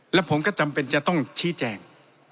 และผมก็จำเป็นจะต้องชี้แจง